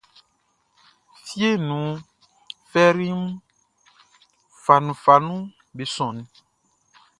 Fieʼn nunʼn, flɛri fanunfanunʼm be sɔnnin.